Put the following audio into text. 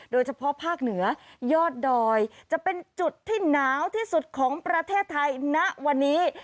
โดยเฉพาะภาคเหนือยอดดอยจะเป็นจุดที่หนาวที่สุดของประเทศไทยณวันนี้